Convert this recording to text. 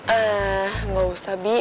eh nggak usah bi